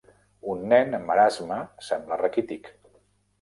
Un nen amb marasme sembla raquític.